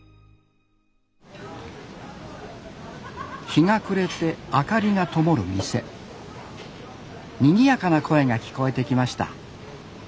日が暮れて明かりがともる店にぎやかな声が聞こえてきました